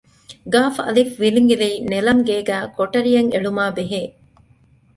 ގއ.ވިލިނގިލީ ނެލަމްގޭގައި ކޮޓަރިއެއް އެޅުމާއި ބެހޭ